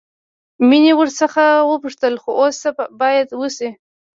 مينې ورڅخه وپوښتل خو اوس څه بايد وشي.